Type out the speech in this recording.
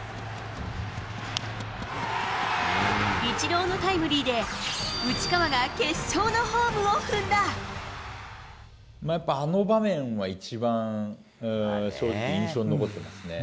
イチローのタイムリーで、まあやっぱ、あの場面は一番正直、印象に残ってますね。